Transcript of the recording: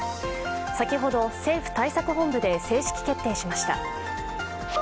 先ほど、政府対策本部で正式決定しました。